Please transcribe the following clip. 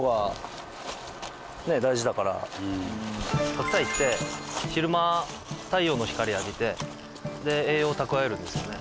白菜って昼間太陽の光浴びて栄養を蓄えるんですよね。